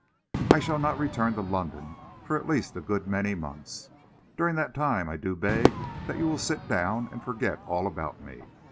I shall not return to London for at least a good many months. During that time I do beg that you will sit down and forget all about me.